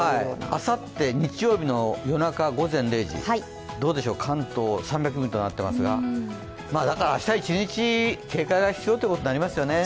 あさって日曜日の夜中、午前０時、どうでしょう、関東３００ミリとなってますが、だから明日一日、警戒が必要ということになりますよね。